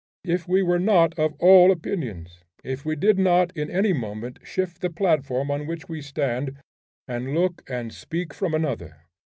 If we were not of all opinions! if we did not in any moment shift the platform on which we stand, and look and speak from another!